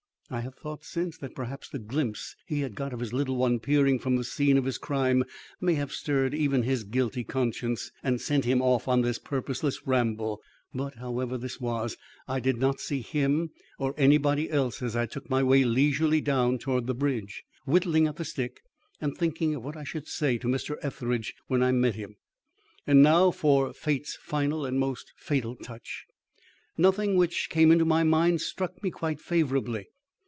I have thought since that perhaps the glimpse he had got of his little one peering from the scene of his crime may have stirred even his guilty conscience and sent him off on this purposeless ramble; but, however this was, I did not see him or anybody else as I took my way leisurely down towards the bridge, whittling at the stick and thinking of what I should say to Mr. Etheridge when I met him. And now for Fate's final and most fatal touch! Nothing which came into my mind struck me quite favourably.